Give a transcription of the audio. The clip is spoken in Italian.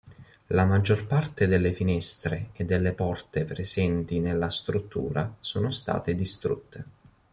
La maggior parte delle finestre e delle porte presenti nella struttura sono state distrutte.